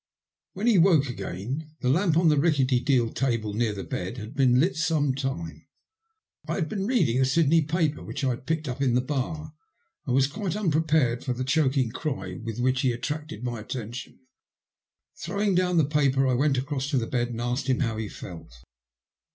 When he woke again the lamp on the ricketty deal table near the bed had been lit some time. I had been reading a Sydney paper which I had picked up in the bar, and was quite unprepared for the choking cry with which he attracted my attention. Throwing down the paper I went across to the bed and asked him how he felt.